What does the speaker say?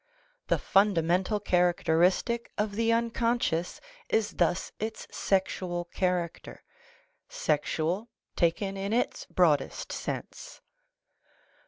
The fundamental characteristic of the uncon scious is thus its sexual character, sexual taken in its broadest sense.